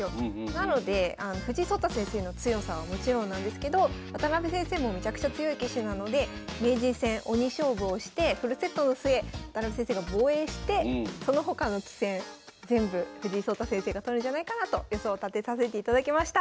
なので藤井聡太先生の強さはもちろんなんですけど渡辺先生もめちゃくちゃ強い棋士なので名人戦鬼勝負をしてフルセットの末渡辺先生が防衛してその他の棋戦全部藤井聡太先生が取るんじゃないかなと予想立てさせていただきました。